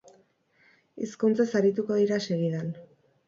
Hizkuntzez arituko dira segidan.